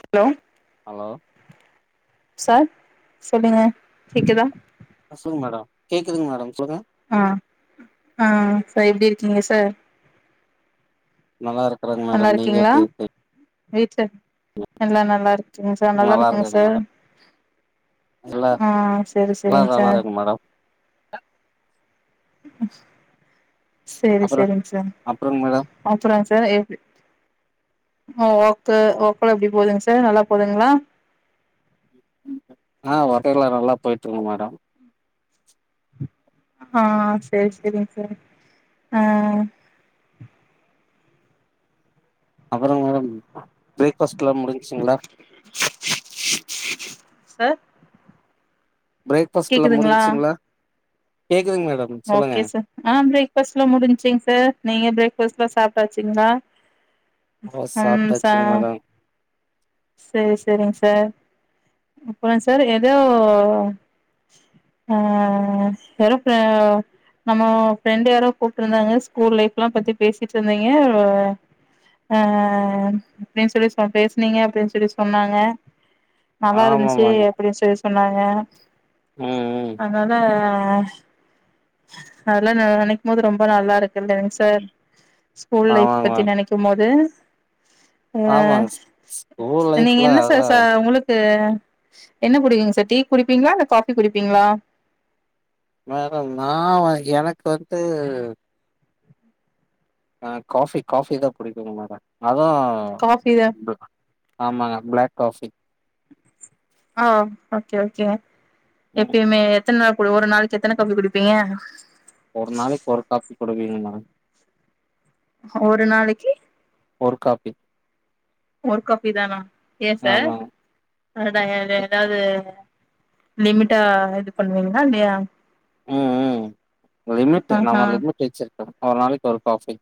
Hello hello sir சொல்லுங்க கேக்குதா அ சொல்லுங்க மேடம் கேக்குதுங்க மேடம் சொல்லுங்க ஆ ஆ சார் எப்டி இருக்கீங்க சார் நல்லா இருக்கறேங்க நல்லா இருக்கீங்ளா வீட்ல எல்லா நல்லா இருக்கீங்க சார் நல்லா இருக்கங்க சார் எல்லா ஆ செரி எல்லாரு செரிங் நல்லா சார் இருக்காங்க மேடம் செரி அப்புறோ செரிங் சார் அப்புறங்க மேடம் அப்புறோங் சார் எ ஓர்க்கு ஓர்க்குலா எப்டி போதுங் சார் நல்லா போதுங்ளா ஆ வொர்க்கல நல்லா போய்ட்டு இருக்குங்க மேடம் ஆ செரி செரிங் சார் ஆ அப்புறோ மேடம் ப்ரேக் ஃபாஸ்டுல்லா முடிஞ்ச்சிங்ளா சார் பிரேக் ஃபாஸ்ட்லா கேக்குதுங்களா முடிஞ்சிங்ளா கேட்குதுங் மேடம் சொல்லுங்க ஓகே சார் ஆ பிரேக் ஃபாஸ்ட்டுல்லா முடிச்சிங் சார் நீங்க பிரேக் ஃபாஸ்ட்டுல்லா சாப்ட்டாச்சுங்ளா ஓ ம் சாப்ட்டாச்சுங்க சார் மேடம் செரி செரிங் சார் அப்புறோ சார் எதோ ஆ வெறு ஆ நம்ம ஃப்ரெண்ட்டு வேர கூப்ட்ருந்தாங்க ஸ்கூல் லைஃப்லா பத்தி பேசிட்ருந்தீங்க அ அப்டின் சொல்லி சொ பேசுனீங்க அப்டின் சொல்லி சொன்னாங்க நல்லா இருந்துச்சு ஆமாமாங்க அப்டின் சொல்லி சொன்னாங்க ம் ம் அதனால அதெல்லா நா நனைக்கும்போது ரொம்ப நல்லா இருக்குல்லைங் சார் ஸ்கூல் லைஃப் ஆமாங்க பத்தி மேம் நெனைக் கும்போது ஆ ஆமாங்க ஸ்கூல் நீங்க லைஃப்ல என்ன சார் அதெல்லா ச உங்களுக் து என்ன குடிக்கீங்க சார் டீ குடிப்பீங்களா இந்த காபி குடிப்பீங்களா மேடம் நா வ எனக்கு வந்து ஆ காஃபி காஃபிதா புடிக்கும் மேடம் அது காஃபி தா ஆமாங்க பிளாக் காஃபி ஓ ஓகே ஓகேங்க ம் எப்பையுமே எத்தன நாள் ஒரு நாளைக்கு எத்தன காஃபி குடிப்பீங்க ஒரு நாளைக் ஒரு காபி குடுவீங்க மேடம் ஒரு நாளைக்கி ஒரு காப்பி ஒருகாபிதானா ஏ சார் ஆமாங்க அதுதா எது எதாது லிமிட்டா இது பண்ணுவீங்ளா இல்லியா ம் ம் லிமிட்டு ஆஹா நம்ம லிமிட் வெச்சிருக்கற ஒரு நாளைக்கு ஒரு காஃபி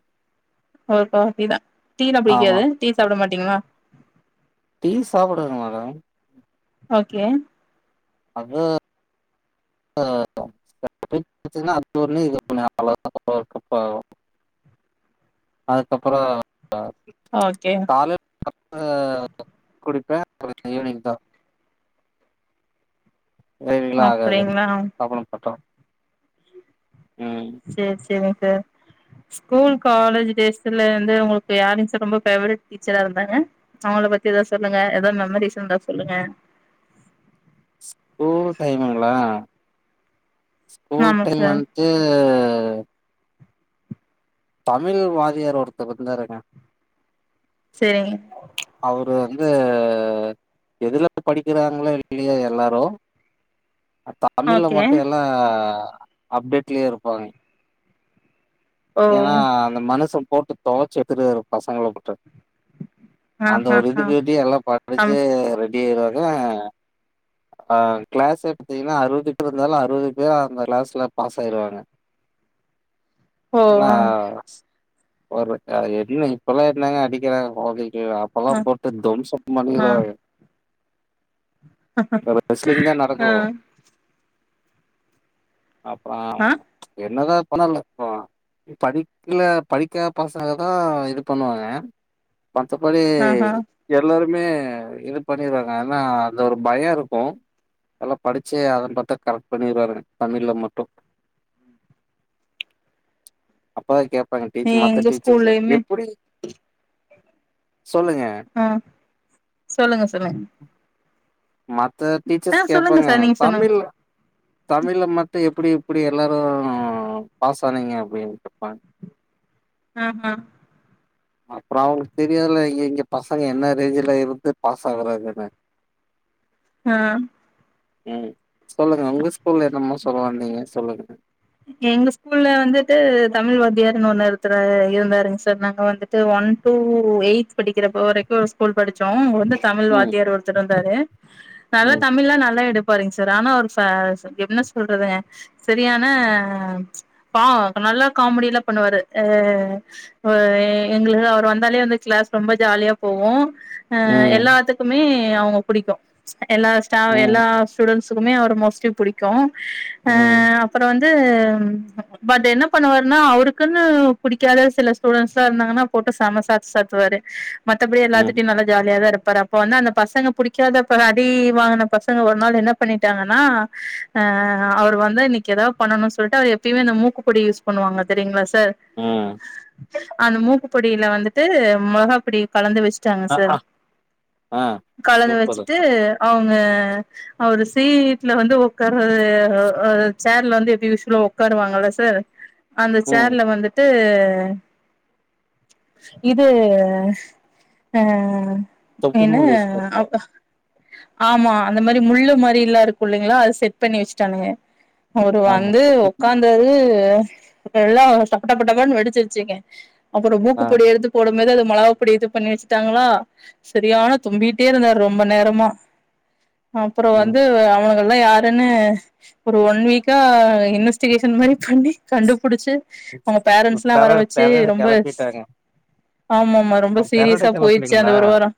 ஒரு காஃபிதா டீலா ஆமா புடிக்காது டீ சாப்பட மாட்டீங்ளா டீ சாப்படதாங்க மேடம் ஓகே அது ஆ [unintelligible] குச்சனா அது ஒன்னு இது ஒன்னு அவ்ளோதா [unintelligible] அதுக்கப்பறோ அ ஓகே காலையில் [inaudible] குடிப்பேன் ஈவினிங் தா வெயிலா ஆகாது அப்டிங்களா சாப்டமாட்டோ சேரி சேரி சார் ஸ்கூல் காலேஜ் டேஸ்ல இருந்து உங்களுக்கு யாருங்க சார் ரொம்ப பேவரட் டீச்சரா இருந்தாங்க அவங்கள பத்தி ஏதான் சொல்லுங்க ஏதோ மெரரிஸ் இருந்தா சொல்லுங்க ஸ்கூல் டைம்ங்களா ஸ்கூல் ஆமா டைம் அ சார் அ தமிழ் வாரியார் ஒருத்தர் வந்தாருங்க சேரிங்க அவரு வந்து எதுல படிக்கிறாங்களோ இல்லையா எல்லாரு அதா தமிழ்ல ஓகே மட்டு எல்லா அப்டேட்லயே இருப்பாங்க ஏன்னா ஓ அந்த மனுஷன் போட்டு தொவச்சி எடுத்துருவாரு பசங்கள போட்டு ஆ அந்த ஆ ஒரு ஆ இதுக்கு வட்டி எல்லா படிச்சு ஆமா ரெடி ஆயிருவாங்க அ கிளாஸ் பாத்தீங்கன்னா அறுவது பேர் இருந்தாலு அறுவது பேர் அந்த கிளாஸ்ல பாஸ் ஆயிருவாங்க ஓ ஆனா ஆ ஒரு என்ன இப்பல்லா என்னங்க அடிக்கிறாங்க ஆ ஆ [unintelligible] [unintelligible] இ ரெஸ்லிங் தா நடக்கு ஆ அப்றோ ஆ என்னதா பண்ணல இப்ப படிக்கல படிக்காத பசங்க தா இது பண்ணுவாங்க மத்தபடி ஆ ஆ எல்லாருமே இது பண்ணிறாங்க ஏன்னா அந்த ஒரு பயோ இருக்கு எல்லா படிச்ச அதன் பாத்தா கரெக்ட் பண்ணிருவாங்க தமிழ்ல மட்டு அப்பதா கேட்பாங்க டீச்சர் மத்த எங்க டீச்சர்ஸ் ஸ்கூல்லயுமே எப்டி சொல்லுங்க அ சொல்லுங்க சொல்லுங்க மதாத ஆ டீச்சர்ஸ் சொல்லுங்க கேட்பாங்க சார் நீங்க சொல்லுங்க தமிழ் தமிழ்ல மட்டு எப்டி இப்டி எல்லாரு பாஸ் ஆனீங்க அப்டின்னு கேப்பாங்க [inaudible] அப்றோ அவங்களுக்கு தெரியல இங்க இங்க பசங்க என்ன ரேஞ்சுல இருந்து பாஸ் ஆகுறாங்கன்னு அ ம் சொல்லுங்க உங்க ஸ்கூல்ல என்னமோ சொல்லுவ நீங்க சொல்லுங்க எங்க ஸ்கூல்ல வந்துட்டு தமிழ் வத்தியாரு ஒன்னு இருத்து இருந்தாருங்க சார் நாங்க வந்துட்டு ஒன் டூ எய்த் படிக்கிறப்ப வரைக்கு ஸ்கூல் படிச்சோ வந்து தமிழ் ம். வாத்தியார் ஒருத்த இருந்தாரு நல்லா ம். தமிழ்லா நல்லா எடு பாறீங்க சார் ஆனா ஒரு ச என்ன சொல்றது சரியான பா நல்லா காமெடிலா பண்ணுவாரு அ எங்களுக்கு அவர் வந்தாலே வந்து கிளாஸ் ரொம்ப ஜாலியா போகு அ ம். எல்லாத்துக்குமே அவுங்க புடிக்கு எல்லா ஸ்டா ம். எல்லா ஸ்டுடண்ஸ்க்குமே அவர் மோஸ்ட்லி புடிக்கு அ ம். அப் அப்பற வந்து பட் என்ன பண்ணுவாருன்னா அவருக்குன்னு புடிக்காத சில ஸ்டூடண்ஸ்லா இருந்தாங்கன்னா போட்டு செம்ம சாத்து சாத்துவாரு மத்தபடி ம். எல்லாத்திட்டயு நல்லா ஜாலியா தா இருப்பாரு அப் இப்ப வந்து அந்த பசங்க புடிக்காத அடி வாங்கின பசங்க ஒரு நாள் என்ன பண்ணிட்டாங்கன்னா அ அவரு வந்து இன்னிக்கு ஏதாவது பண்ணணும்னு சொல்லுட்டு அவரு எப்பயுமே இந்த மூக்குப்பொடி யூஸ் பண்ணுவாங்க தெரியுங்களா சார் ம் அந்த மூக்கு பொடில வந்துட்டு மொளகா பொடி கலந்து வச்சு ச்சாங்க சார் ஆ ஆ கலந்து சூப்பரு வச்சுட்டு அவுங்க அவரு சீட்ல வந்து உக்காரரு ஓ சேர்ல வந்து எப்டி யூஷ்வலா உக்காருவாங்கல்ல சார் அந்த ம் சேர்ல வந்துட்டு இது அ தொப்பி என்ன முள்ளு இஷ்டா அப்பா ஆமா அந்த மாரி முள்ளு மாரி இல்லா இருக்கு இல்லங்களா அத செட் பண்ணி வெச்சுட்டானுங்க அவரு ஆமா வந்து தொப்பி முள்ளு இஷ்டம். உக்காந்தாரு எல்லா டப்படப்படப்பன்னு வெடிச்சிருச்சுங்க அப்பற ஆ மூக்குப்பொடி எடுத்து போடும் போது அது மொளகா பொடி இது பண்ணி வெச்சுட்டாங்களா செரியனா தும்பிட்டே இருந்தாரு ரொம்ப நேரமா அப்பற ம் வந்து அவனுங்கலா யாருன்னு ஒரு ஒன் வீக்கா இன்வெஸ் டிகேஷன் மாரி பண்ணி கண்டுபுடிச்சு அவுங்க பேரண்ட்ஸ்லா பெர வர வச்சு பெரடு ரொம்ப கெளப்பிட்டாங்க ஆமா ஆமா ரொம்ப ஆ பெரடு சீரியஸா போயிச்சு அந்த கெளப்பலீங்களா ஒரு வாரோ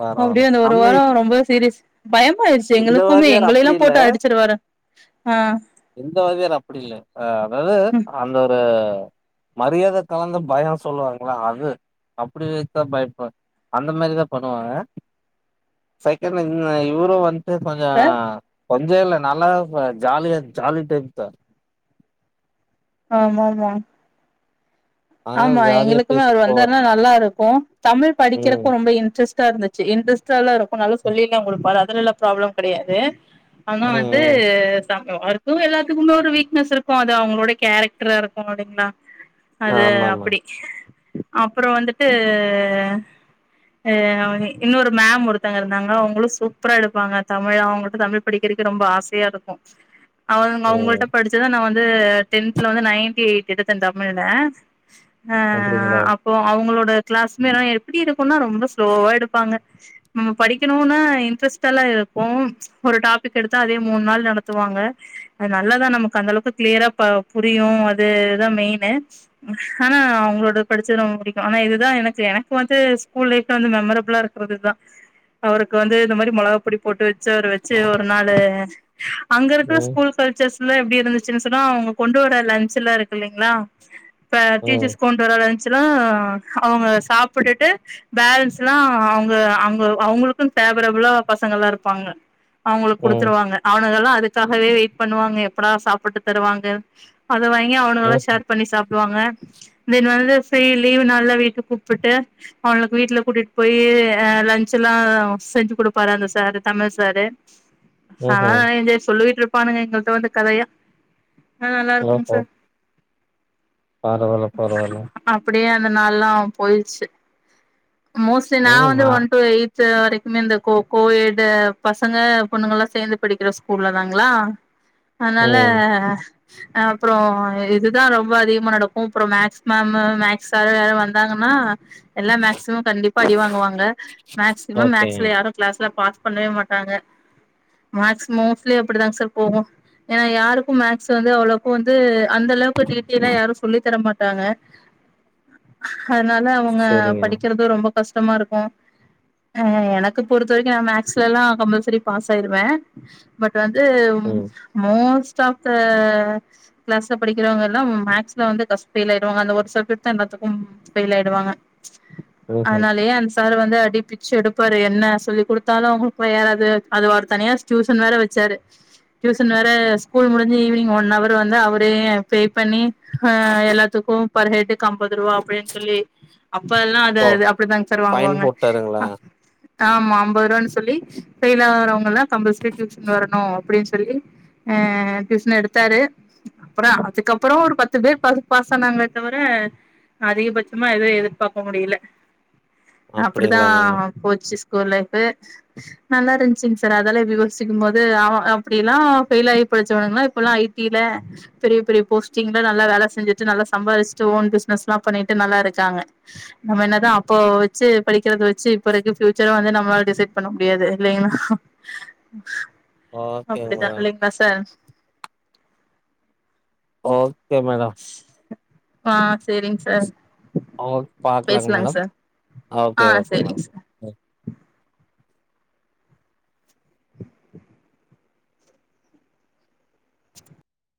பரவால்ல அப்டியே அந்த ஒரு நம்ம வாரோ ரொம்பவே சீரியஸ் பயமாயிருச்சு இந்த எங்களுக்குமே வாத்தியார் எங்களயெல்லா அப்டி இல்ல போட்டு அடிச்சுருவாரு ஆ இந்த வாத்தியார் அப்படி இல்ல ஆ அதாவது ம் அந்த ஒரு மரியாத கலந்த பயோ சொல்லுவாங்களா அது அப்டி இருத்த பயப்ப அந்த மாரிதா பண்ணுவாங்க செகண்ட் வந் இவுரு வந்து கொஞ்ச சார் கொஞ்ச இல்ல நால்லா ஜாலியான்சு ஜாலி டைப் தா ஆமா மா அதனால ஆமா ஜாலியா எங்களுக்குமே அவரு பேசிட்டு போவாரு வந்தாருனா நல்லா இருக்கு தமிழ் ம் படிக்கிறப்ப ரொம்ப இன்ட்ரெஸ்ட் டா இருந்துச்சு இன்ட்ரஸ்ட்டலா இருக்கு நல்ல சொல்லில்லா கொடுப்பாரு அதுலல்லா ப்ராப்ளம் கெடயாது ஆனா ம் வந்து ம் த அறுத்து எல்லாத்துக்கு ஒரு வீக்னஸ் இருக்கு அது அவுங்களோட கேரக்ட்ரா இருக்கு அப்டிங்களா த ஆமாமா அப்படி அப்புறோ வந்துட்டு இன்னொரு மேம் ஒருத்தங்க இருந்தாங்க அவுங்களு சூப்பரா எடுப்பாங்க தமிழ் அவங்கள்ட தமிழ் படிக்கிறதுக்கு ரொம்ப ஆசயா இருக்கு அவுங்க ம் அவுங்கள்ட்ட படிச்சுதா நா வந்து டென்துல வந்து நைன்டி எயிட் எடுத்தே தமிழ்ல அ அப்டிங்களா அப் இப்போ அவுங்களோட கிளாஸ்மெல்லா எப்டி இருக்குன்னா ரொம்ப ஸ்லோவா எடுப்பாங்க ம் படிக்கணுன்னு இன்ட்ரெஸ்ட் எல்லா இருக்கு ஒரு டாபிக் எடுத்த அதே மூன் நாள் நடத்துவாங்க அது நல்லதுதா நமக்கு அந்த அளவுக்கு கிளியரா ப புரியு அதுதா மெய்னு ஆனா அவுங்களோட படிச்சது ரொம்ப புடிக்கு ஆனா இதுதா எனக்கு எனக்கு வந்து ஸ்கூல் லைப்ல வந்து மெமரபுளா இருக் குறது இதா அவருக்கு வந்து இந்த மாரி மொளகா பொடி போட்டு வச்சு அவரு வச்சு ஒரு நாள்ளு அங்க இருக்குற ம் ஸ்கூல் பர்ச்சஸ்ல்லா எப்டி இருந்துச்சுன் சொன்னா அவுங்க கொண்டு வர லன்ச் எலா இருக்கு இல்லீங்களா இப்ப ம் டீச்சர்ஸ் கொண்டு வரர லன்ச்சுல்லா அவங்க சாப்புட்டுட்டு பேலன்ஸ்ல்லா அவ்ங்க அவ்ங்க அவங்களுக்குன் ஃபேவரபுளா பசங்கல்லா இருப்பாங்க அவுங்களுக் ம் குடுத்துடுவாங்க அவனுங்க எல்லா அதுக்காகவே வெயிட் பண்ணுவாங்க எப்படா சாப்புட்டு தருவாங்க அத வாங்கி அவனுங்கல்லா ம் ஷேர் பண்ணி சாப்டுவாங்க தென் வந்து ஃப்ரீ லீவ்வு நால்ல வீட்டுக் கூப்பிட்டு அவங்களுக்கு வீட்டுல கூட்டிட் போய்யி லஞ்ச எல்லா செஞ்சு கொடுப்பாரு அந்த சாரு தமிழ் சாரு ஆனா ம்ஹ்ம் என்ஜாய் சொல்லிட்ருப்பானுங்க எங்கள்ட்ட வந்து கதையா ஆ நல்லா இருக்குங் சார் பரவால பரவால்ல அப்பிடியே அந்த நாள்லா போயிட்ச்சு மோஸ்ட்லி நா ம் வந்து ஆ ஒன் டூ எய்த் ச்ச வரைக்குமே இந்த கோ கோட்டு பசங்க பொண்ணுங்க ல்லா சேர்ந்து படிக்கிற ஸ்கூல்ல தாங்களா அதனால ம் அப்புறோ இதுதா ரொம் ப அதிகமா நடக்கு அப்புற மேக்ஸ் மேமு மேக்ஸாரு யாரு வந்தாங்கன்னா எல்லா மேக்சிமம் கண்டிப்பா அடிவாங்குவாங்க மேக்சிம ஓகேங்க மேக்ஸ்ல யாரு கிளாஸ்ல பாஸ் பண்ணவே மாட்டாங்க மேக்ஸ் மோஸ்ட்லி அப்புடிதாங்க சார் போகு ஏனா யாருக்கு மேக்ஸ்ஸு வந்து அவ்வளவுக்கு வந்து அந்த அளவு கீழ யாரு சொல்லி தர மாட்டாங்க அதனால அவங்க சரிங்க படிக்கறிது ரொம்ப கஷ்டமா இருக்கு ஆ எனக்கு பொறுத்த வரைக்கு நா மேக்ஸ்லல்லா கம்பல்சரி பாஸ் ஆயிருவே பட் வந்து ம் மோஸ்ட் ஆப் த கிளாஸ்ல படிக்கிறவங்க எல்லாம் மேக்ஸ்ல வந்து பஸ்ட் பெயில் ஆயிடுவாங்க அந்த ஒரு சப்ஜெக்ட் தா எல்லாத்துக்கும் பெயில் ஆயிடுவாங்க ம்ஹ்ம் ஆனாலயே அன் சார் வந்து அடிப்பிச்சு எடுப்பாரு என்ன சொல்லி குடுத்தாலு உங்களுக்கெல்லா யேராவது அது ஒரு தனியா டியூசன் வேற வெச்சாரு டியூசன் வேற ஸ்கூல் முடிஞ்சு ஈவ்னிங் ஒன் அவர் வந்து அவரே பே பண்ணி ஆ எல்லாத்துக்கும் பர்ஹெட்டுக் ஐம்பது ரூபா அப்டின்னு சொல்லி அப்பயெல்லா அது ஓ அப்டிதாங்க சார் ஃபைன் வாங்குவாங்க போட்டாருங்களா ஆமா ஐம்பது ரூபானு சொல்லி பேயில் ஆவறவங்கல கம்பல்சரி டியூஷன் வரணு அப்டின்னு சொல்லி ஹ டியூசன் எடுத்தாரு அப்புறம் அதுக்கப்புறம் ஒரு பத் து பேர் பா பாசனாங்களே தவிர அதிகபட்சமா எது எதிர்பார்க்க முடியல அப்பிடிதா அப்டிங்களா மேடம் போச்சு ஸ்கூல் லைஃப்பு நல்லா இருந்துச்சிங்க சார் அதெல்லா இப்ப யோசிக்கும் போது அவ அப்பிடியெல்லா பெயில் ஆயி படிச்சவனங்களா இப்பெல்லா ஐ டில பெரிய பெரிய போஸ்டிங் நல்லா வேல செஞ்சுட்டு நல்லா சம்பாரிச்சுட்டு ஓன் பினஸ்லா பண்ணிட்டு நல்ல இருக்காங்க நம்ம என்னதா அப்போ வெச்சு படிக்கிறத வெச்சு இப்போ வரைக்கு பியூச்சர வந்து நம்மளாள டிசைட் பண்ண முடியாது இல்லைங்களா ஓகேங்க அப்டித்தா மேடம் இல்லைங்களா சார் ஓகே மேடம் ஹ செரிங் சார் ஓ பாக்கலாங்க பேசலாங்க மேடம் சார் ஹ ஓகே ஓகே செரிங் சார் மேடம்